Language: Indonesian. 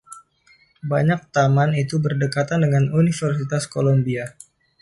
Banyak taman itu berdekatan dengan Universitas Columbia.